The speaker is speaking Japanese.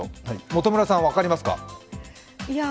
元村さん、分かりますか？